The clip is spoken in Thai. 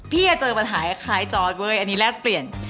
จะเจอปัญหาคล้ายจอร์ดเว้ยอันนี้แลกเปลี่ยน